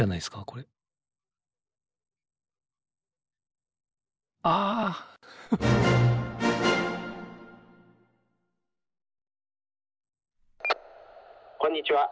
これあこんにちは